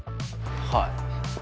はい。